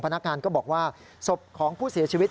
พนักงานก็บอกว่าศพของผู้เสียชีวิต